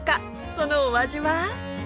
そのお味は？